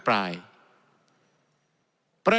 ผมเคยอาจารย์อภิปราย